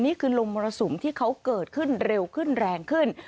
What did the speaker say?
นี่คือลมมรสุมที่เขาเกิดขึ้นเร็วขึ้นแรงขึ้น